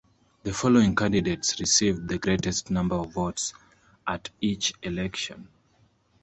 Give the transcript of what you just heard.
The following candidates received the greatest number of votes at each election.